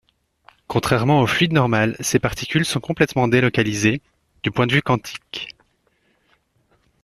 Contrairement au fluide normal, ses particules sont complètement délocalisées, du point de vue quantique.